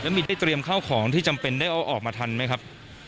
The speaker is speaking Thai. แล้วมีใครได้เตรียมเข้าของที่จำเป็นได้ออกมาได้มั้ยครับ